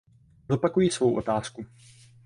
Zopakuji svou otázku.